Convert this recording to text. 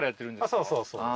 そうそうそう。